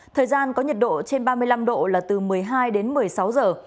thời gian có nhiệt độ trên ba mươi năm độ là từ một mươi hai đến một mươi sáu giờ